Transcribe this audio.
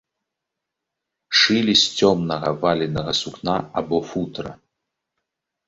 Шылі з цёмнага валенага сукна або футра.